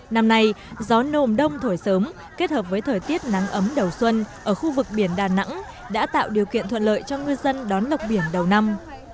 năm nay gió nồm đông thổi sớm kết hợp với thời tiết nắng ấm đầu xuân ở khu vực biển đà nẵng đã tạo điều kiện thuận lợi cho ngư dân đón lọc biển đầu năm